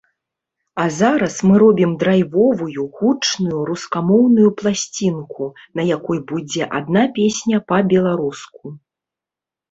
А зараз мы робім драйвовую, гучную рускамоўную пласцінку, на якой будзе адна песня па-беларуску.